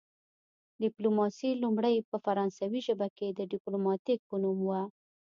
ډیپلوماسي لومړی په فرانسوي ژبه کې د ډیپلوماتیک په نوم وه